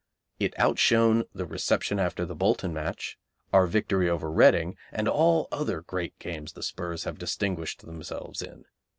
It outshone the reception after the Bolton match, our victory over Reading, and all other great games the 'Spurs have distinguished themselves in.